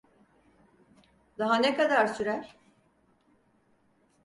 Daha ne kadar sürer?